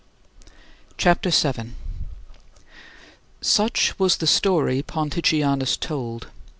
CHAPTER VII 16. Such was the story Ponticianus told.